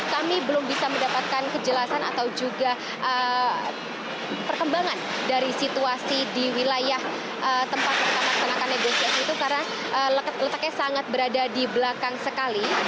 kami belum bisa mendapatkan kejelasan atau juga perkembangan dari situasi di wilayah tempat kita laksanakan negosiasi itu karena letaknya sangat berada di belakang sekali